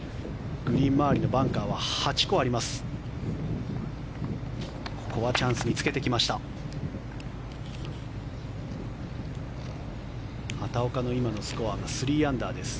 グリーン周りのバンカーは８個あります。